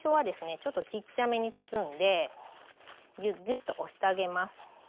ちょっとちっちゃめに包んでギュッギュッと押してあげます。